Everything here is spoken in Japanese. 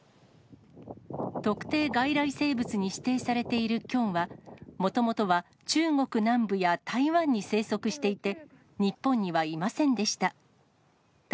特定外来生物に指定されているキョンは、もともとは中国南部や台湾に生息していて、日本にはいませんでした。